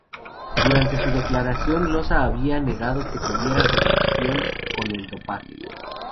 Durante su declaración Losa había negado que tuviera relación con el dopaje.